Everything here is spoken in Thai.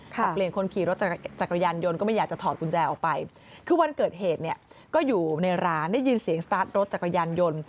แต่เปลี่ยนคนขี่รถจักรยานยนต์ก็ไม่อยากจะถอดกุญแจออกไปคือวันเกิดเหตุเนี่ยก็อยู่ในร้านได้ยินเสียงสตาร์ทรถจักรยานยนต์